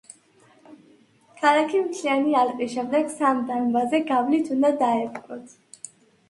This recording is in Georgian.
ქალაქი მთლიანი ალყის შემდეგ, სამ დამბაზე გავლით უნდა დაეპყროთ.